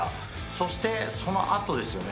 そしてそのあとですよね。